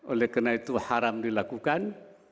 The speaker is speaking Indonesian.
oleh karena itu haram dilakukan